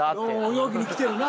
泳ぎに来てるな。